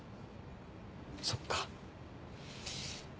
そっか。